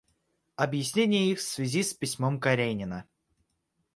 Объяснение их в связи с письмом Каренина.